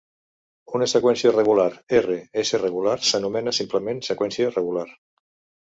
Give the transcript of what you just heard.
Una seqüència regular "R" s-regular s'anomena simplement seqüència regular.